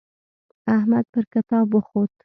احمد پر کتاب وخوت.